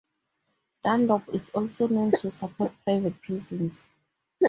Dunlop is also known to support private prisons.